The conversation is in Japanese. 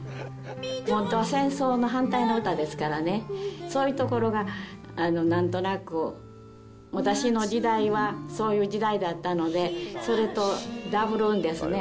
本当は戦争の反対の歌ですからね、そういうところがなんとなく、私の時代はそういう時代だったので、それとだぶるんですね。